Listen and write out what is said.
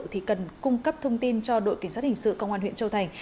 thì cần cung cấp thông tin cho đội cảnh sát hình sự công an huyện châu thành